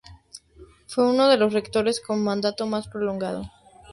Fue uno de los rectores con mandato más prolongado.